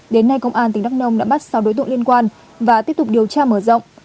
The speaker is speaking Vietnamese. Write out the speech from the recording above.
đến nay công an tỉnh đắk nông đã bắt sáu đối tượng liên quan và tiếp tục điều tra mở rộng